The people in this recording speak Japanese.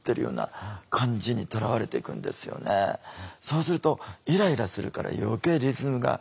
そうするとイライラするから余計リズムが壊れていくんですよ。